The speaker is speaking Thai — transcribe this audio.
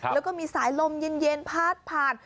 แล้วก็มีสายลมเย็นพาดผ่าน